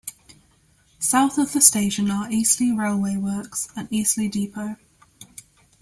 South of the station are Eastleigh Railway Works and Eastleigh Depot.